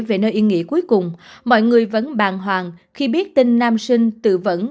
về nơi yên nghỉ cuối cùng mọi người vẫn bàng hoàng khi biết tin nam sinh tự vẫn